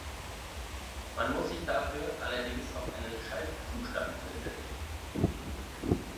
Man muss sich dafür allerdings auf einen Schaltzustand verständigen.